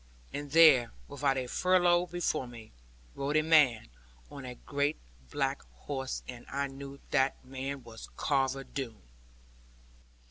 And there, about a furlong before me, rode a man on a great black horse, and I knew that the man was Carver Doone.